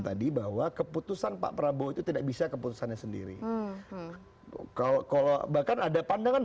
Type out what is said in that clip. tadi bahwa keputusan pak prabowo itu tidak bisa keputusannya sendiri kalau kalau bahkan ada pandangan